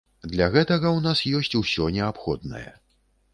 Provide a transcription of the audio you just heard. Для гэтага ў нас ёсць усё неабходнае.